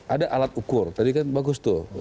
ada alat ukur tadi kan bagus tuh